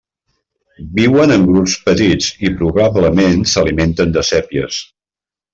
Viuen en grups petits i probablement s'alimenten de sèpies.